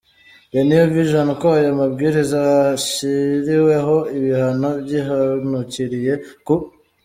the New vision ko aya mabwiriza ashyiriweho ibihano byihanukiriye ku